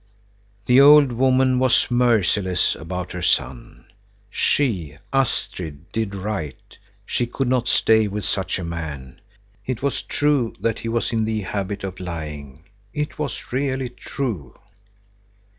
The old woman was merciless about her son. She, Astrid, did right; she could not stay with such a man. It was true that he was in the habit of lying, it was really true.